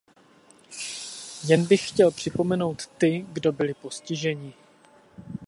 Chtěl bych jen připomenout ty, kdo byli postiženi.